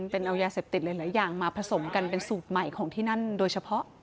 เป็นเอายาเสพติดหลายอย่างมาผสมกันเป็นสูตรใหม่ของที่นั่นโดยเฉพาะ